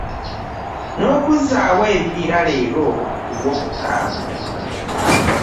N'okuzzaawo ebibira leero ku Lwokutaano.